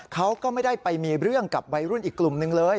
เขาก็ไม่ได้ไปมีเรื่องกับวัยรุ่นอีกกลุ่มนึงเลย